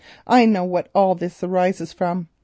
I know what this arises from.